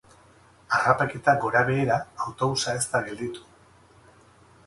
Harrapaketa gorabehera, autobusa ez da gelditu.